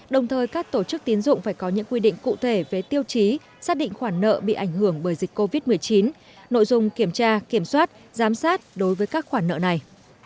đồng thời các tổ chức tiến dụng phải có những quy định cụ thể về tiêu chí xác định khoản nợ bị ảnh hưởng bởi dịch covid một mươi chín nội dung kiểm tra kiểm soát giám sát đối với các khoản nợ này